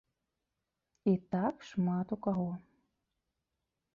І так шмат у каго.